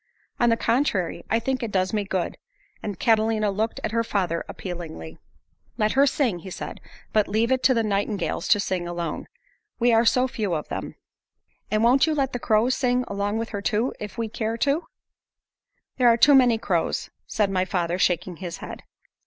"On the contrary, I think it does me good." And Catalina looked at her father appealingly. "Let her sing," he said, "but leave it to the nightingales to sing alone. There are so few of them." "And won't you let the crows sing along with her too, if we care to?" "There are too many crows," said my father, shaking his head.